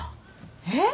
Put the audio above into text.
えっ？